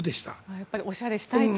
やっぱりおしゃれしたいと。